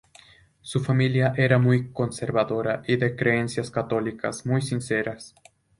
Su familia era muy conservadora y de creencias católicas muy sinceras.